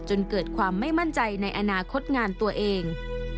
จนเกิดความไม่มั่นใจในอนาคตงานตัวเอง